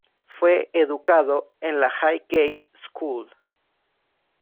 Fue educado en la Highgate School.